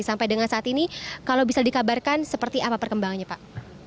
sampai dengan saat ini kalau bisa dikabarkan seperti apa perkembangannya pak